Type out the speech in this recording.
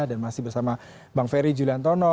dan masih bersama bang ferry juliantono